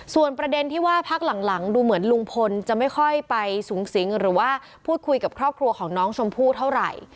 ส่วนประเด็นที่ว่าพักหลังดูเหมือนลุงพลจะไม่ค่อยไปสูงสิงหรือว่าพูดคุยกับครอบครัวของน้องชมพู่เท่าไหร่